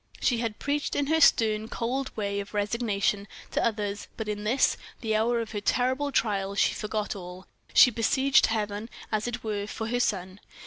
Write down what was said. She had preached, in her stern, cold way of resignation, to others, but in this, the hour of her terrible trial, she forgot all; she besieged Heaven, as it were, for her son.